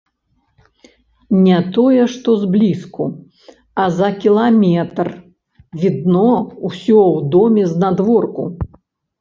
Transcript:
Не тое што зблізку, а за кіламетр відно ўсё ў доме знадворку.